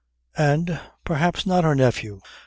"And perhaps not her nephew.